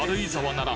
なら